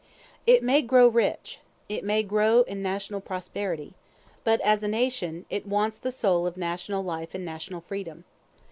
It may grow rich, it may increase in national prosperity, but, as a nation, it wants the soul of national life and national freedom.